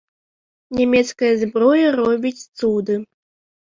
Нямецкая зброя робіць цуды.